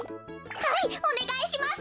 はいおねがいします！